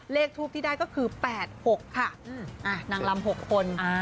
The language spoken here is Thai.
เลขทูปที่ได้ก็คือแปดหกค่ะอ่านางรำหกคนอ่า